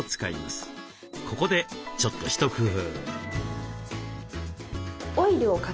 ここでちょっと一工夫。